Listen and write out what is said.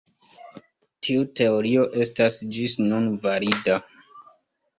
Tiu teorio estas ĝis nun valida.